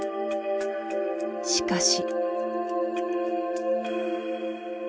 しかし。